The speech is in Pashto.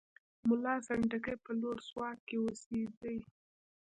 ملا سنډکی په لوړ سوات کې اوسېدی.